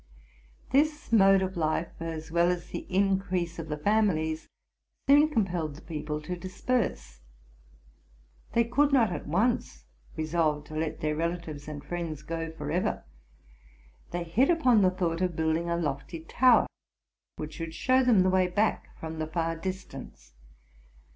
This mode of life, as well as the increase of the families, soon compelled the people to disperse. They could not at once resolve to let their relatives and friends go forever: they hit upon the thought of building a lofty tow er, which should show them the way back from the far distance.